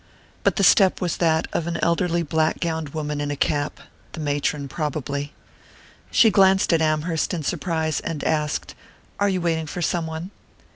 But the step was that of an elderly black gowned woman in a cap the matron probably. She glanced at Amherst in surprise, and asked: "Are you waiting for some one?"